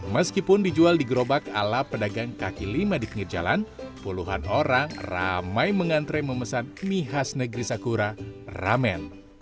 meskipun dijual di gerobak ala pedagang kaki lima di pinggir jalan puluhan orang ramai mengantre memesan mie khas negeri sakura ramen